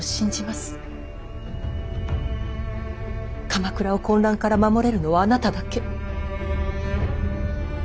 鎌倉を混乱から守れるのはあなただけ。